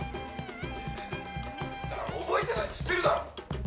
・いやいやだから覚えてないつってるだろ！